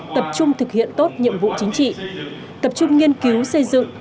tập trung thực hiện tốt nhiệm vụ chính trị tập trung nghiên cứu xây dựng